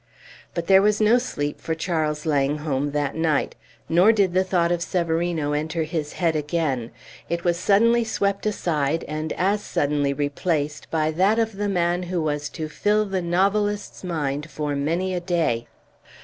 But there was no sleep for Charles Langholm that night, nor did the thought of Severino enter his head again; it was suddenly swept aside and as suddenly replaced by that of the man who was to fill the novelist's mind for many a day.